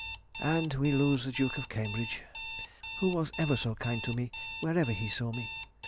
And we lose the Duke of Cambridge, who was ever so kind to me wherever he saw me.